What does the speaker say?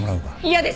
嫌です。